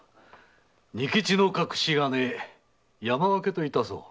仁吉の隠し金山分けと致そう。